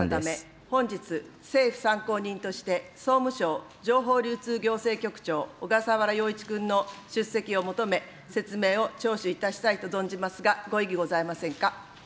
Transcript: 本日、政府参考人として、総務省情報流通行政局長、小笠原陽一君の出席を求め、説明を聴取いたしたいと存じますが、ご異議ございませんか。